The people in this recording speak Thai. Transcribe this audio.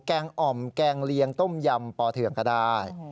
แกงอ่อมแกงเลียงต้มยำปอเทืองก็ได้